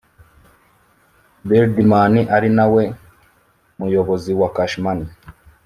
Birdman ari na we muyobozi wa Cash Money